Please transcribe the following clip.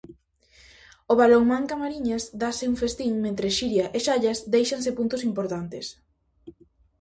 O Balonmán Camariñas dáse un festín mentres Xiria e Xallas déixanse puntos importantes.